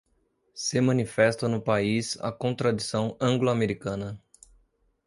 se manifesta no país a contradição anglo-americana